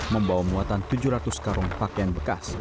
membawa muatan tujuh ratus karung pakaian bekas